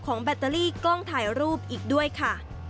แบตเตอรี่กล้องถ่ายรูปอีกด้วยค่ะ